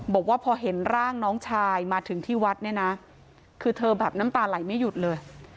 บอกว่าพอเห็นร่างน้องชายมาถึงที่วัดเนี่ยนะคือเธอแบบน้ำตาไหลไม่หยุดเลย